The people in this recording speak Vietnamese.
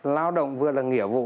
lao động vừa là nghĩa vụ